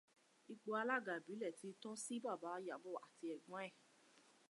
Ipò alága ìbílẹ̀ ti tọ́ sí Bàbá Ìyábọ̀ àti ẹ̀gbọ́n ẹ̀